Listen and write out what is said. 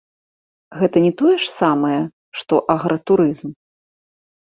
Гэта не тое ж самае, што агратурызм?